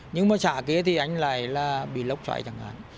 nhưng mà xã kia thì anh lại là bị lốc chảy chẳng hạn